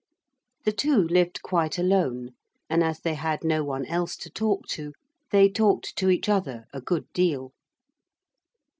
The two lived quite alone, and as they had no one else to talk to they talked to each other a good deal.